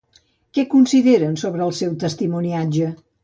Què consideren sobre el seu testimoniatge?